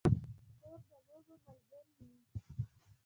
خور د لوبو ملګرې وي.